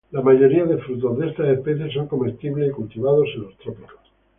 La mayoría de frutos de estas especies son comestibles y cultivados en los trópicos.